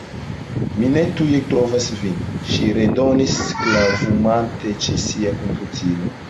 Mi ne tuj trovas vin, ŝi redonis, klavumante ĉe sia komputilo.